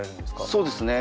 そうですね。